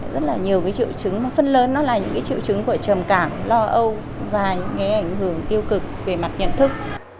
rất là nhiều cái triệu chứng phân lớn nó là những triệu chứng của trầm cảm lo âu và những ảnh hưởng tiêu cực về mặt nhận thức